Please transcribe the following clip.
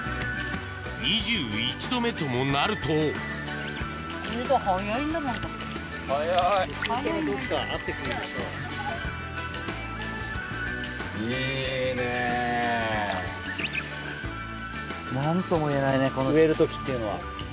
２１度目ともなると・速い・・速いな・いいね。何ともいえないね植える時っていうのは。